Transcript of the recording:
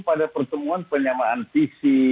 pada pertemuan penyamaan visi